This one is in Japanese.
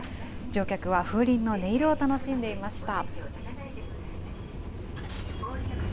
乗客は風鈴の音色を楽しんでいました。